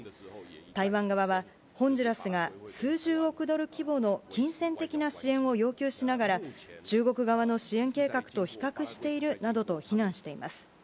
台湾側は、ホンジュラスが数十億ドル規模の金銭的な支援を要求しながら、中国側の支援計画と比較しているなどと非難しています。